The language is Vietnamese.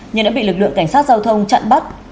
nhưng đã bị lực lượng cảnh sát giao thông chặn bắt